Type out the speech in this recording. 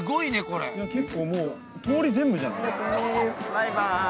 バイバーイ！